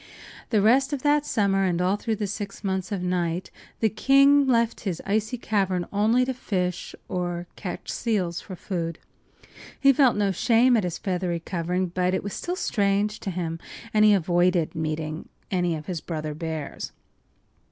The rest of that summer and all through the six months of night the king left his icy cavern only to fish or catch seals for food. He felt no shame at his feathery covering, but it was still strange to him, and he avoided meeting any of his brother bears.